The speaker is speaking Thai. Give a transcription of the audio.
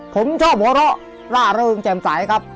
ผมชอบหัวเราะล่าเริงแจ่มใสครับ